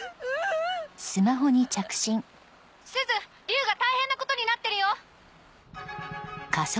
竜が大変なことになってるよ！